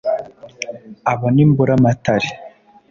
Abo ni Mburamatare.